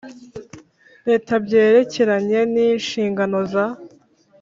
Leta byerekeranye n inshingano za